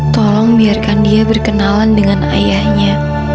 tolong biarkan dia berkenalan dengan ayahnya